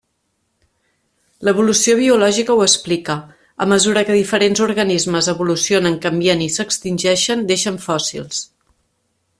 L'evolució biològica ho explica: a mesura que diferents organismes evolucionen, canvien i s'extingeixen, deixen fòssils.